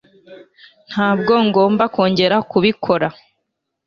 ntabwo ngomba kongera kubikora